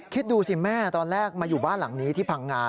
คิดดูสิแม่ตอนแรกมาอยู่บ้านหลังนี้ที่พังงา